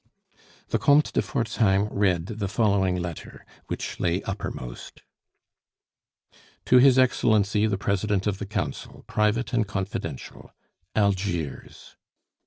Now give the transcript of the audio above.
The Comte de Forzheim read the following letter, which lay uppermost: "To his Excellency the President of the Council. "Private and Confidential. "ALGIERS.